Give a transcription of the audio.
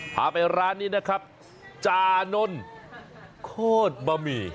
พาไปร้านนี้นะครับจานนโคตรบะหมี่